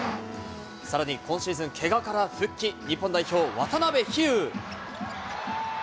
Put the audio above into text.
さらに、今シーズン、けがから復帰、日本代表、わたなべひゆう。